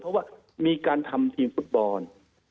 เพราะว่ามีการทำทีมฟุตบอล